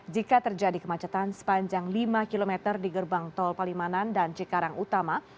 jika terjadi kemacetan sepanjang lima km di gerbang tol palimanan dan cikarang utama